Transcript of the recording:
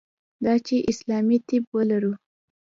دا چې اسلامي طب ولرو.